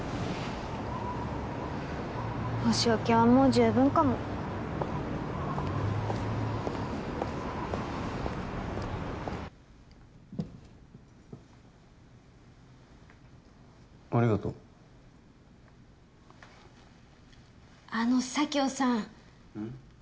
お仕置きはもう十分かもありがとうあの佐京さんん？